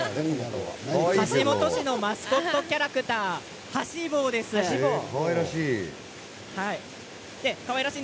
橋本市のマスコットキャラクターかわいらしい。